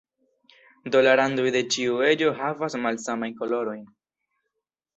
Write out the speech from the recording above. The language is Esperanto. Do la randoj de ĉiu eĝo havas malsamajn kolorojn.